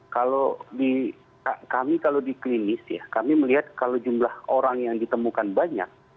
kalau kami kalau di klinis ya kami melihat kalau jumlah orang yang ditemukan banyak